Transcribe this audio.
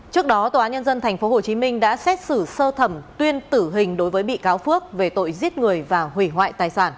trước đó tòa án nhân dân tp hcm đã xét xử sơ thẩm tuyên tử hình đối với bị cáo phước về tội giết người